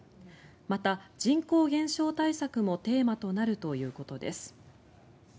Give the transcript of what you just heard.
また、人口減少対策もテーマとなるということです。